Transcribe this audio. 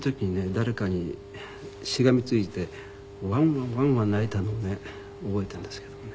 誰かにしがみついてわんわんわんわん泣いたのをね覚えてるんですけどもね。